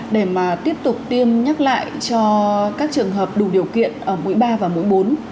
để mà tiếp tục tiêm nhắc lại cho các trường hợp đủ điều kiện ở mũi ba và mũi bốn